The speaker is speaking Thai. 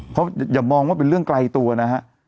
เพราะอย่ามองว่าเป็นเรื่องไกลตัวนะฮะ